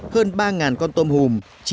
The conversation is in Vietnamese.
hơn ba con tôm hùm